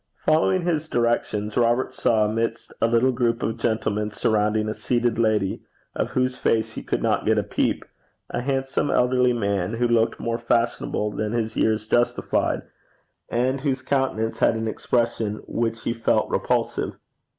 Following his directions, Robert saw, amidst a little group of gentlemen surrounding a seated lady, of whose face he could not get a peep, a handsome elderly man, who looked more fashionable than his years justified, and whose countenance had an expression which he felt repulsive.